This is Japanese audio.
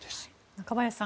中林さん